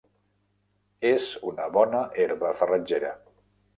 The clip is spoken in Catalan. És una bona herba farratgera.